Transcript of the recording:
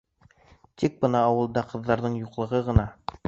Тик бына ауылда ҡыҙҙарҙың юҡлығы ғына...